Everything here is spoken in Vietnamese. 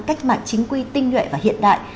cách mạng chính quy tinh nguyện và hiện đại